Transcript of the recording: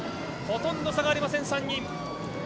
ほとんど差がありません、３人。